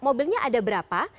mobilnya ada berapa